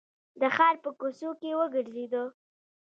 د ښار په کوڅو کې وګرځېدو.